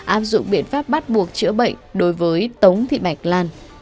áp dụng biện pháp bắt buộc chữa bệnh đối với tống thị bạch lan